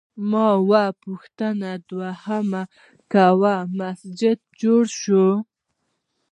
ما وپوښتل دوهم کوم مسجد جوړ شوی؟